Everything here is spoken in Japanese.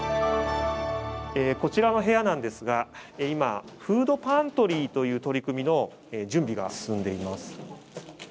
こちらの部屋なんですが今「フードパントリー」という取り組みの準備が進んでいます。